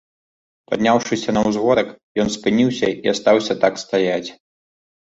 Падняўшыся на ўзгорак, ён спыніўся і астаўся так стаяць.